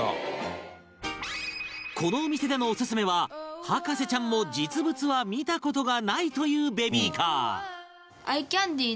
このお店でのオススメは博士ちゃんも実物は見た事がないというベビーカー